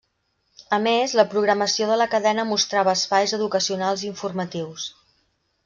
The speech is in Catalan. A més, la programació de la cadena mostrava espais educacionals i informatius.